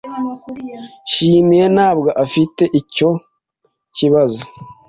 Nshimiye ntabwo afite icyo kibazo.